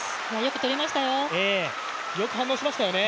よく反応しましたよね。